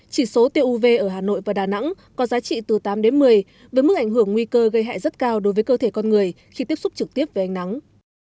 chỉ số tiêu uv ở hà nội và đà nẵng có giá trị từ tám đến một mươi với mức ảnh hưởng nguy cơ gây hại rất cao đối với cơ thể con người khi tiếp xúc trực tiếp với ánh nắng